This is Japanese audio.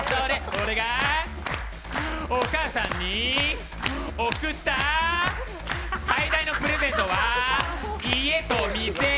俺がお母さんに贈った最大のプレゼントは家と店。